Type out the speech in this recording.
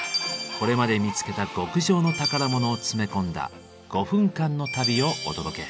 これまで見つけた極上の宝物を詰め込んだ５分間の旅をお届け。